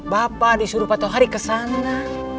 bapak disuruh patuhari ke sana